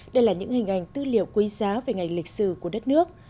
đây là những hình ảnh tư liệu quý giá về ngày lịch sử của đất nước